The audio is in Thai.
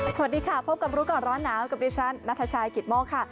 สวัสดีค่ะพบกับรู้ก่อนร้อนหนาวกับดิฉันนัทชายกิตโมกค่ะ